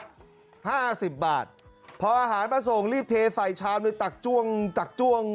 ห้าสิบบาทพออาหารมาส่งรีบเทใส่ชามเลยตักจ้วงตักจ้วง